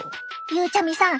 ゆうちゃみさん